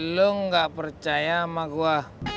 lo gak percaya sama gue